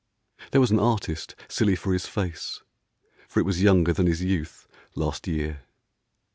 There was an artist silly for his face, For it was younger than his youth, last year.